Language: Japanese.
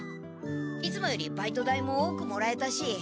いつもよりバイト代も多くもらえたし。